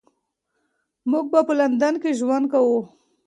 موږ به په لندن کې ژوند کوو.